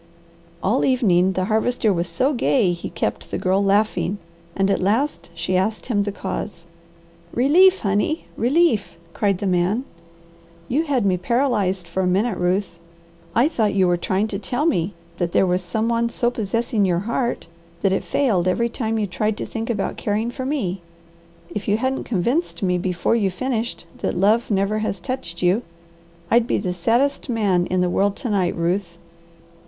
All evening the Harvester was so gay he kept the Girl laughing and at last she asked him the cause. "Relief, honey! Relief!" cried the man. "You had me paralyzed for a minute, Ruth. I thought you were trying to tell me that there was some one so possessing your heart that it failed every time you tried to think about caring for me. If you hadn't convinced me before you finished that love never has touched you, I'd be the saddest man in the world to night, Ruth."